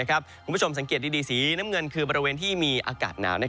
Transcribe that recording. คุณผู้ชมสังเกตดีสีน้ำเงินคือบริเวณที่มีอากาศหนาว